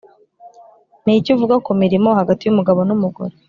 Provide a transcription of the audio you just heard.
Ni iki uvuga ku mirimo hagati y’umugabo n’umugore?